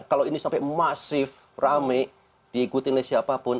kalau ini sampai masif rame diikuti oleh siapapun